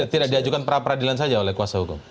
tidak diajukan pra peradilan saja oleh kuasa hukum